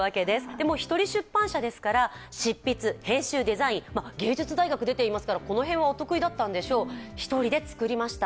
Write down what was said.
でも一人出版社ですから執筆、編集、デザイン芸術大学出ていますからこの辺はお得意だったんでしょう、１人で作りました。